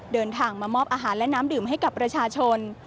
เดินทางมามอบอาหารและน้ำดื่มให้กับประชาชน